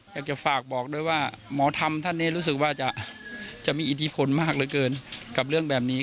อยากจะฝากบอกด้วยว่าหมอธรรมท่านนี้รู้สึกว่าจะมีอิทธิพลมากเหลือเกินกับเรื่องแบบนี้